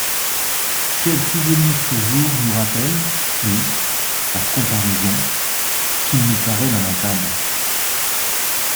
Quels souvenirs ce jour nous rappelle, et, par comparaison, qu’il nous paraît lamentable!